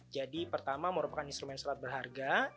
jadi pertama merupakan instrumen surat berharga